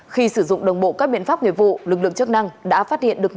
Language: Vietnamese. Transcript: khi sử dụng đồng bộ các biện pháp nghiệp vụ lực lượng chức năng đã phát hiện được